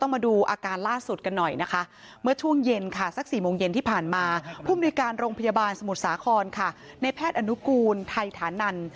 มันกลุ่นไทยฐานั่น